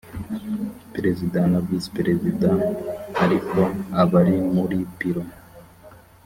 perezida na visi perezida ariko abari muri biro